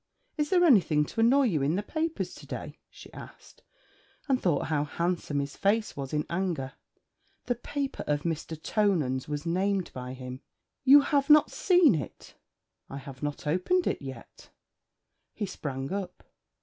'Is there anything to annoy you in the papers to day?' she asked, and thought how handsome his face was in anger. The paper of Mr. Tonans was named by him. 'You have not seen it? 'I have not opened it yet.' He sprang up.